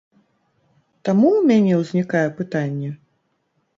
Таму ў мяне ўзнікае пытанне?